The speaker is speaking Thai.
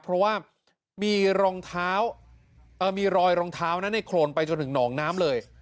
เพราะว่ามีรองเท้ามีรอยรองเท้านั้นในโครนไปจนถึงหนองน้ำเลย